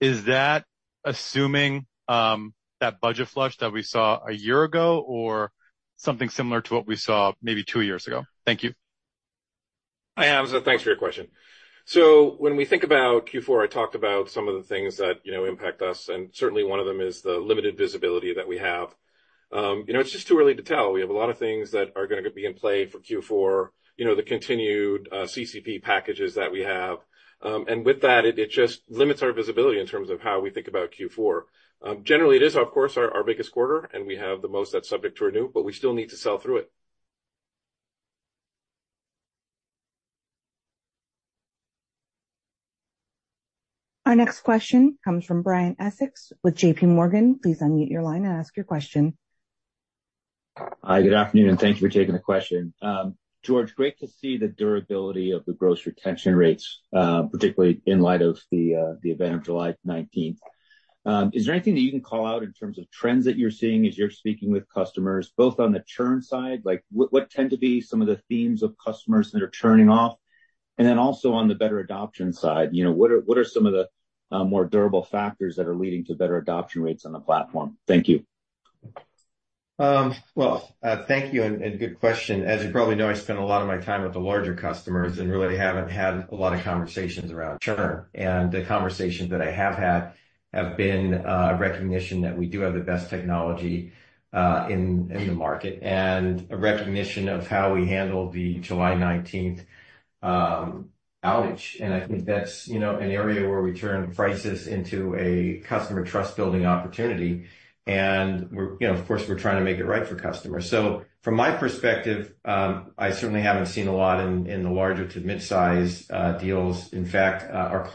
is that assuming that budget flush that we saw a year ago or something similar to what we saw maybe two years ago? Thank you. Hi, Hamza. Thanks for your question. So when we think about Q4, I talked about some of the things that impact us. And certainly, one of them is the limited visibility that we have. It's just too early to tell. We have a lot of things that are going to be in play for Q4, the continued CCP packages that we have. And with that, it just limits our visibility in terms of how we think about Q4. Generally, it is, of course, our biggest quarter, and we have the most that's subject to renew, but we still need to sell through it. Our next question comes from Brian Essex with JPMorgan. Please unmute your line and ask your question. Hi, good afternoon, and thank you for taking the question. George, great to see the durability of the gross retention rates, particularly in light of the event of July 19th. Is there anything that you can call out in terms of trends that you're seeing as you're speaking with customers, both on the churn side? What tend to be some of the themes of customers that are churning off? And then also on the better adoption side, what are some of the more durable factors that are leading to better adoption rates on the platform? Thank you. Well, thank you. And good question. As you probably know, I spend a lot of my time with the larger customers and really haven't had a lot of conversations around churn. And the conversations that I have had have been a recognition that we do have the best technology in the market and a recognition of how we handled the July 19th outage. And I think that's an area where we turn crises into a customer trust-building opportunity. And of course, we're trying to make it right for customers. So from my perspective, I certainly haven't seen a lot in the larger to mid-size deals. In fact, our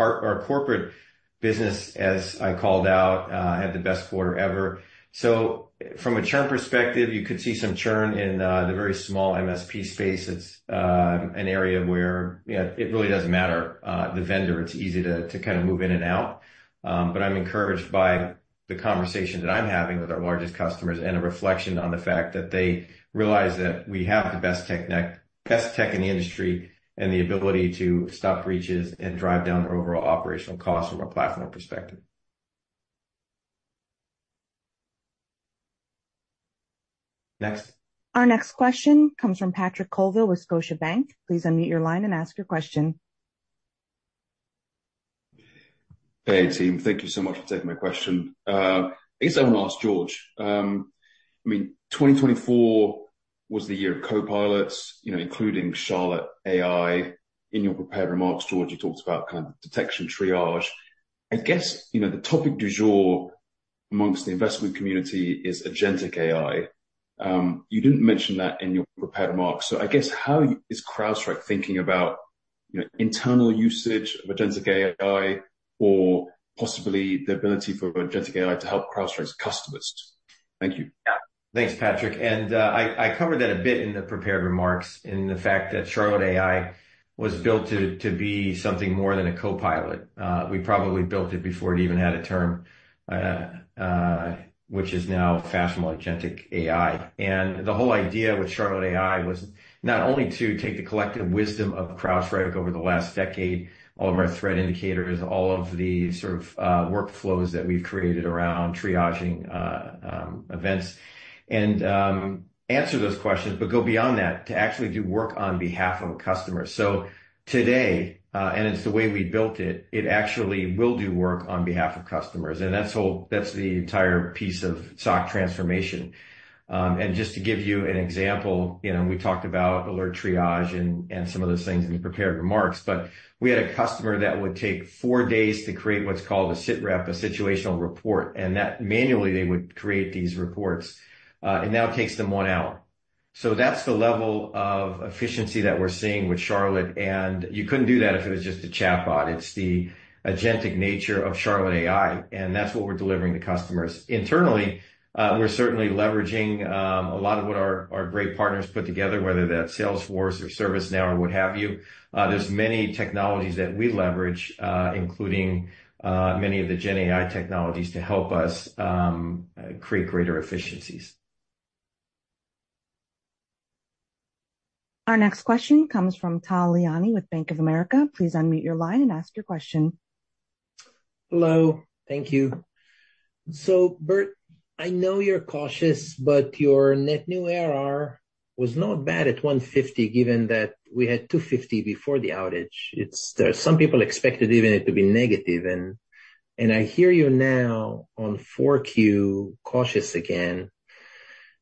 corporate business, as I called out, had the best quarter ever. So from a churn perspective, you could see some churn in the very small MSP space. It's an area where it really doesn't matter the vendor. It's easy to kind of move in and out. But I'm encouraged by the conversation that I'm having with our largest customers and a reflection on the fact that they realize that we have the best tech in the industry and the ability to stop breaches and drive down their overall operational costs from a platform perspective. Next. Our next question comes from Patrick Colville with Scotiabank. Please unmute your line and ask your question. Hey, team. Thank you so much for taking my question. I guess I want to ask George. I mean, 2024 was the year of copilots, including Charlotte AI. In your prepared remarks, George, you talked about kind of detection triage. I guess the topic du jour amongst the investment community is agentic AI. You didn't mention that in your prepared remarks. So I guess, how is CrowdStrike thinking about internal usage of agentic AI or possibly the ability for agentic AI to help CrowdStrike's customers? Thank you. Yeah. Thanks, Patrick, and I covered that a bit in the prepared remarks in the fact that Charlotte AI was built to be something more than a copilot. We probably built it before it even had a term, which is now fashionable agentic AI. The whole idea with Charlotte AI was not only to take the collective wisdom of CrowdStrike over the last decade, all of our threat indicators, all of the sort of workflows that we've created around triaging events, and answer those questions, but go beyond that to actually do work on behalf of a customer. Today, and it's the way we built it, it actually will do work on behalf of customers. That's the entire piece of SOC transformation. Just to give you an example, we talked about alert triage and some of those things in the prepared remarks, but we had a customer that would take four days to create what's called a SITREP, a situational report. Manually, they would create these reports. It now takes them one hour. That's the level of efficiency that we're seeing with Charlotte. You couldn't do that if it was just a chatbot. It's the agentic nature of Charlotte AI. And that's what we're delivering to customers. Internally, we're certainly leveraging a lot of what our great partners put together, whether that's Salesforce or ServiceNow or what have you. There's many technologies that we leverage, including many of the GenAI technologies to help us create greater efficiencies. Our next question comes from Tal Liani with Bank of America. Please unmute your line and ask your question. Hello. Thank you. So, Burt, I know you're cautious, but your net new ARR was not bad at 150, given that we had 250 before the outage. Some people expected even it to be negative. And I hear you now on 4Q, cautious again.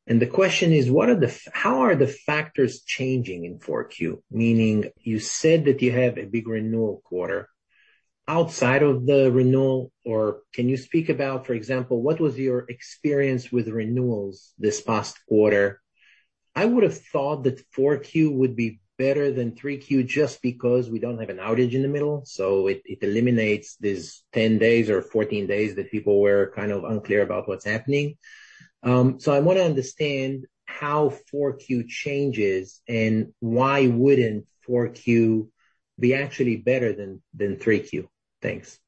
And the question is, how are the factors changing in 4Q? Meaning, you said that you have a big renewal quarter. Outside of the renewal, or can you speak about, for example, what was your experience with renewals this past quarter? I would have thought that 4Q would be better than 3Q just because we don't have an outage in the middle. So it eliminates these 10 days or 14 days that people were kind of unclear about what's happening. So I want to understand how 4Q changes and why wouldn't 4Q be actually better than 3Q. Thanks.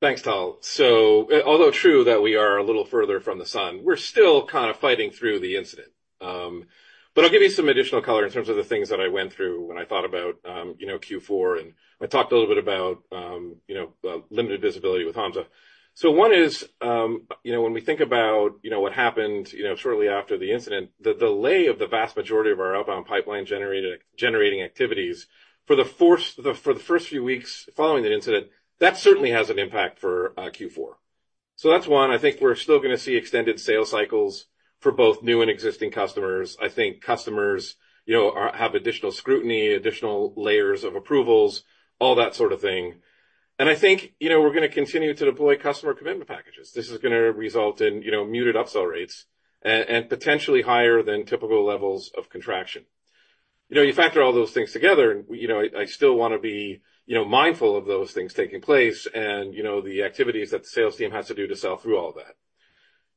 Thanks, Tal. So although true that we are a little further from the sun, we're still kind of fighting through the incident. But I'll give you some additional color in terms of the things that I went through when I thought about Q4, and I talked a little bit about limited visibility with Hamza. One is, when we think about what happened shortly after the incident, the delay of the vast majority of our outbound pipeline generating activities for the first few weeks following the incident, that certainly has an impact for Q4. So that's one. I think we're still going to see extended sales cycles for both new and existing customers. I think customers have additional scrutiny, additional layers of approvals, all that sort of thing. And I think we're going to continue to deploy Customer Commitment Packages. This is going to result in muted upsell rates and potentially higher than typical levels of contraction. You factor all those things together, and I still want to be mindful of those things taking place and the activities that the sales team has to do to sell through all of that.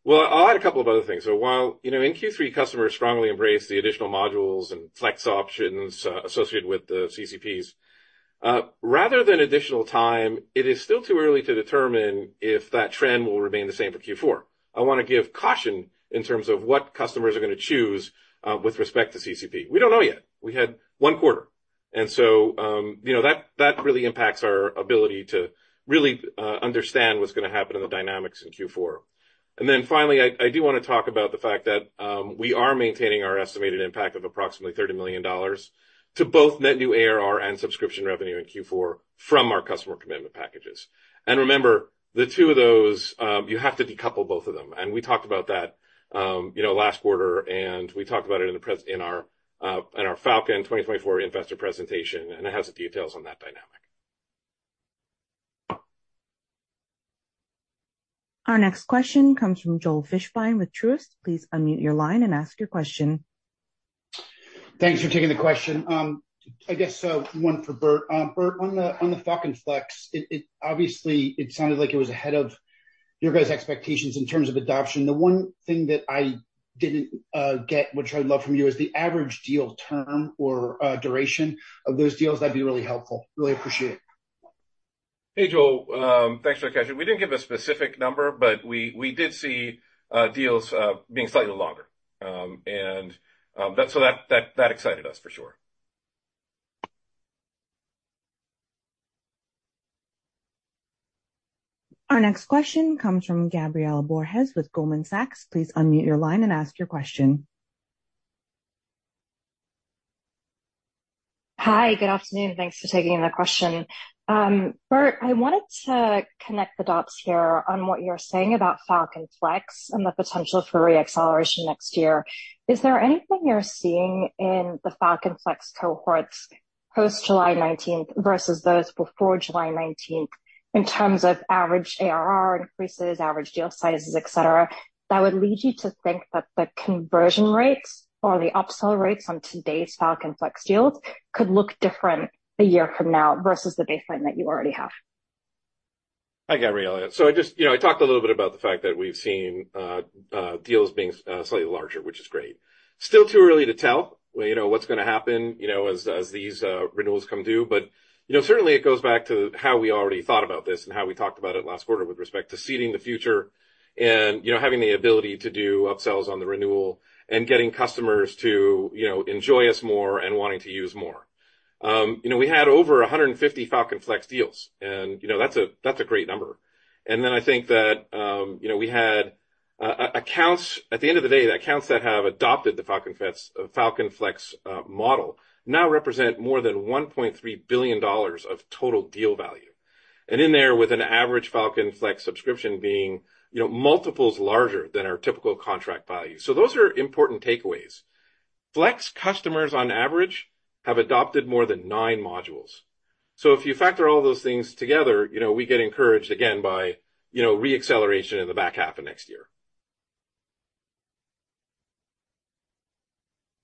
Well, I'll add a couple of other things. So while in Q3, customers strongly embraced the additional modules and Flex options associated with the CCPs, rather than additional time, it is still too early to determine if that trend will remain the same for Q4. I want to give caution in terms of what customers are going to choose with respect to CCP. We don't know yet. We had one quarter. And so that really impacts our ability to really understand what's going to happen in the dynamics in Q4. And then finally, I do want to talk about the fact that we are maintaining our estimated impact of approximately $30 million to both net new ARR and subscription revenue in Q4 from our Customer Commitment Packages. And remember, the two of those, you have to decouple both of them. And we talked about that last quarter, and we talked about it in our Fal.Con 2024 investor presentation, and it has the details on that dynamic. Our next question comes from Joel Fishbein with Truist. Please unmute your line and ask your question. Thanks for taking the question. I guess one for Burt. Burt, on the Falcon Flex, obviously, it sounded like it was ahead of your guys' expectations in terms of adoption. The one thing that I didn't get, which I'd love from you, is the average deal term or duration of those deals. That'd be really helpful. Really appreciate it. Hey, Joel. Thanks for the question. We didn't give a specific number, but we did see deals being slightly longer. And so that excited us for sure. Our next question comes from Gabriela Borges with Goldman Sachs. Please unmute your line and ask your question. Hi, good afternoon. Thanks for taking the question. Burt, I wanted to connect the dots here on what you're saying about Falcon Flex and the potential for reacceleration next year. Is there anything you're seeing in the Falcon Flex cohorts post-July 19th versus those before July 19th in terms of average ARR increases, average deal sizes, etc., that would lead you to think that the conversion rates or the upsell rates on today's Falcon Flex deals could look different a year from now versus the baseline that you already have? Hi, Gabriela. So I talked a little bit about the fact that we've seen deals being slightly larger, which is great. Still too early to tell what's going to happen as these renewals come due. But certainly, it goes back to how we already thought about this and how we talked about it last quarter with respect to seeding the future and having the ability to do upsells on the renewal and getting customers to enjoy us more and wanting to use more. We had over 150 Falcon Flex deals, and that's a great number. And then I think that we had accounts at the end of the day that have adopted the Falcon Flex model now represent more than $1.3 billion of total deal value. And in there, with an average Falcon Flex subscription being multiples larger than our typical contract value. So those are important takeaways. Flex customers, on average, have adopted more than nine modules. So if you factor all those things together, we get encouraged, again, by reacceleration in the back half of next year.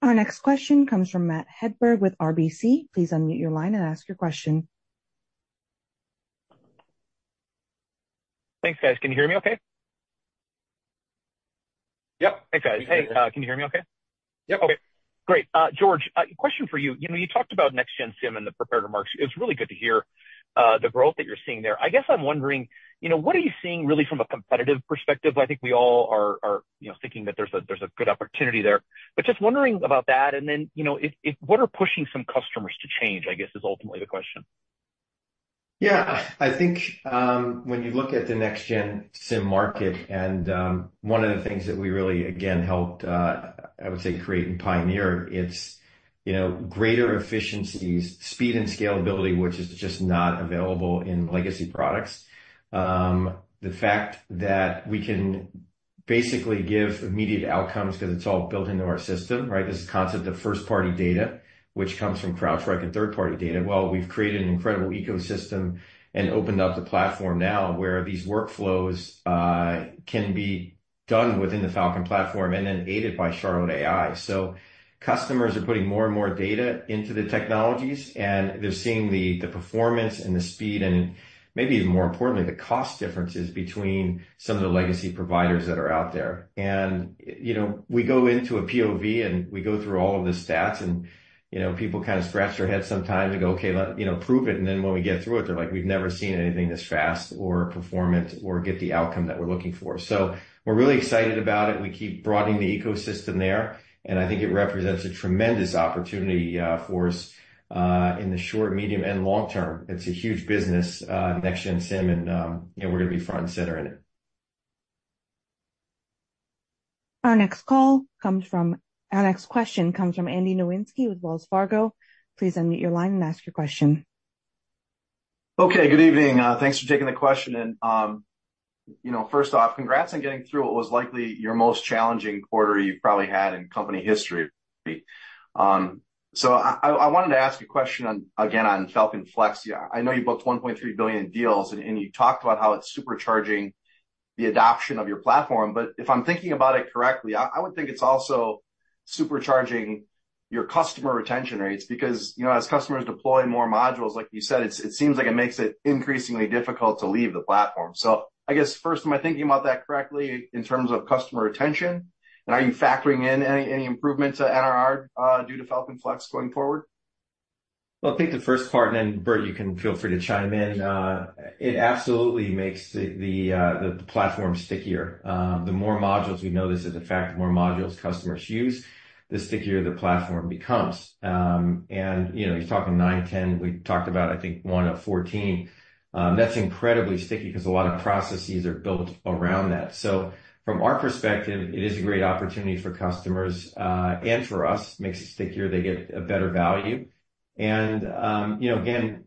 Our next question comes from Matt Hedberg with RBC. Please unmute your line and ask your question. Thanks, guys. Can you hear me okay? Yep. Okay. Great. George, question for you. You talked about Next-Gen SIEM in the prepared remarks. It's really good to hear the growth that you're seeing there. I guess I'm wondering, what are you seeing really from a competitive perspective? I think we all are thinking that there's a good opportunity there. But just wondering about that. And then what are pushing some customers to change, I guess, is ultimately the question. Yeah. I think when you look at the Next-Gen SIEM market, and one of the things that we really, again, helped, I would say, create and pioneer, it's greater efficiencies, speed, and scalability, which is just not available in legacy products. The fact that we can basically give immediate outcomes because it's all built into our system, right? This is the concept of first-party data, which comes from CrowdStrike and third-party data. Well, we've created an incredible ecosystem and opened up the platform now where these workflows can be done within the Falcon platform and then aided by Charlotte AI. So customers are putting more and more data into the technologies, and they're seeing the performance and the speed and maybe even more importantly, the cost differences between some of the legacy providers that are out there. And we go into a POV, and we go through all of the stats, and people kind of scratch their head sometimes and go, "Okay, prove it." And then when we get through it, they're like, "We've never seen anything this fast or performant or get the outcome that we're looking for." So we're really excited about it. We keep broadening the ecosystem there. And I think it represents a tremendous opportunity for us in the short, medium, and long term. It's a huge business, Next-Gen SIEM, and we're going to be front and center in it. Our next question comes from Andy Nowinski with Wells Fargo. Please unmute your line and ask your question. Okay. Good evening. Thanks for taking the question. And first off, congrats on getting through what was likely your most challenging quarter you've probably had in company history. So I wanted to ask a question again on Falcon Flex. I know you booked $1.3 billion deals, and you talked about how it's supercharging the adoption of your platform. But if I'm thinking about it correctly, I would think it's also supercharging your customer retention rates because as customers deploy more modules, like you said, it seems like it makes it increasingly difficult to leave the platform. So I guess, first, am I thinking about that correctly in terms of customer retention? And are you factoring in any improvement to NRR due to Falcon Flex going forward? Well, I think the first part, and then, Burt, you can feel free to chime in. It absolutely makes the platform stickier. The more modules we notice as a fact, the more modules customers use, the stickier the platform becomes. And you're talking nine, 10. We talked about, I think, one of 14. That's incredibly sticky because a lot of processes are built around that. So from our perspective, it is a great opportunity for customers and for us. It makes it stickier. They get a better value. And again,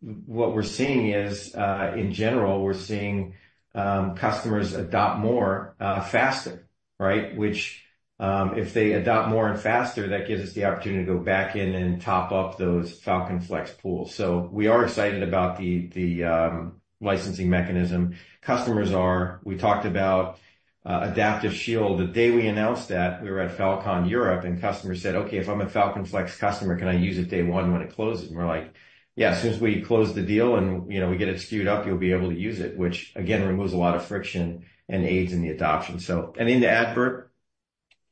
what we're seeing is, in general, we're seeing customers adopt more faster, right? Which if they adopt more and faster, that gives us the opportunity to go back in and top up those Falcon Flex pools. So we are excited about the licensing mechanism. Customers are. We talked about Adaptive Shield. The day we announced that, we were at Fal.Con Europe, and customers said, "Okay, if I'm a Falcon Flex customer, can I use it day one when it closes?" And we're like, "Yeah, as soon as we close the deal and we get it squared up, you'll be able to use it," which, again, removes a lot of friction and aids in the adoption. So, anything to add, Burt?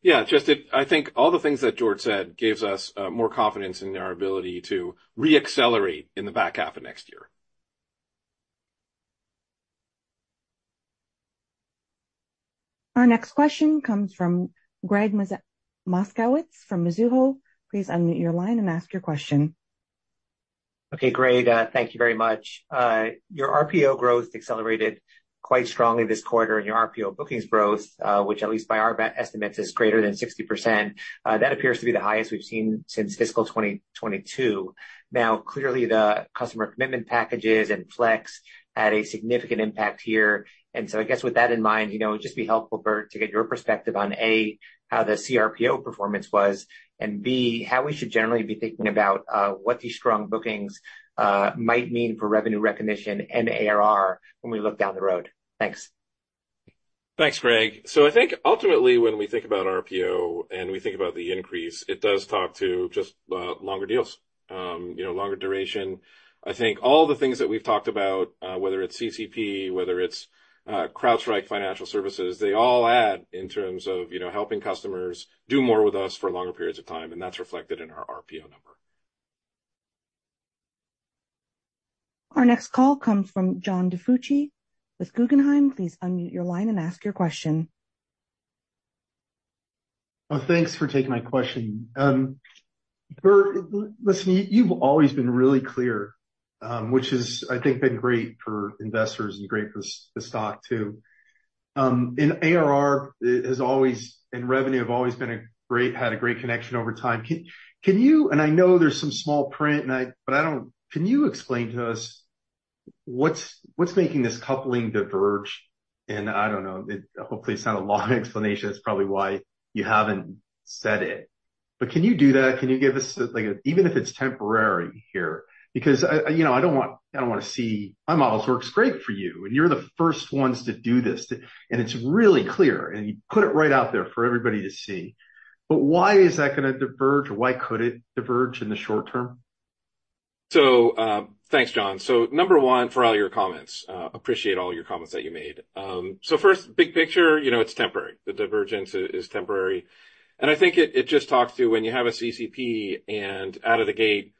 Yeah. Just, I think all the things that George said gives us more confidence in our ability to reaccelerate in the back half of next year. Our next question comes from Gregg Moskowitz from Mizuho. Please unmute your line and ask your question. Okay. Great. Thank you very much. Your RPO growth accelerated quite strongly this quarter, in your RPO bookings growth, which at least by our estimates is greater than 60%. That appears to be the highest we've seen since fiscal 2022. Now, clearly, the Customer Commitment Packages and flex had a significant impact here. And so I guess with that in mind, it would just be helpful, Burt, to get your perspective on, A, how the CRPO performance was, and B, how we should generally be thinking about what these strong bookings might mean for revenue recognition and ARR when we look down the road. Thanks. Thanks, Greg. So I think ultimately, when we think about RPO and we think about the increase, it does talk to just longer deals, longer duration. I think all the things that we've talked about, whether it's CCP, whether it's CrowdStrike Financial Services, they all add in terms of helping customers do more with us for longer periods of time. And that's reflected in our RPO number. Our next call comes from John DiFucci with Guggenheim. Please unmute your line and ask your question. Thanks for taking my question. Listen, you've always been really clear, which has, I think, been great for investors and great for the stock too. And ARR has always and revenue have always had a great connection over time. And I know there's some small print, but can you explain to us what's making this coupling diverge? And I don't know. Hopefully, it's not a long explanation. It's probably why you haven't said it. But can you do that? Can you give us even if it's temporary here? Because I don't want to see my models work great for you, and you're the first ones to do this. And it's really clear, and you put it right out there for everybody to see. But why is that going to diverge? Why could it diverge in the short term? So, thanks, John. So, number one, for all your comments. Appreciate all your comments that you made. So, first, big picture, it's temporary. The divergence is temporary. And I think it just talks to when you have a CCP and out of the gate,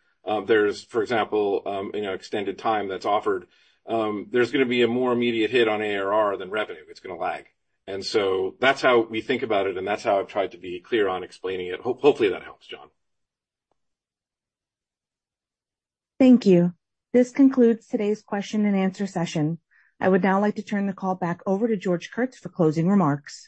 there's, for example, extended time that's offered, there's going to be a more immediate hit on ARR than revenue. It's going to lag. And so that's how we think about it, and that's how I've tried to be clear on explaining it. Hopefully, that helps, John. Thank you. This concludes today's question and answer session. I would now like to turn the call back over to George Kurtz for closing remarks.